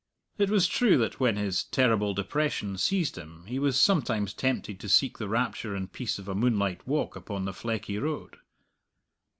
It was true that when his terrible depression seized him he was sometimes tempted to seek the rapture and peace of a moonlight walk upon the Fleckie Road.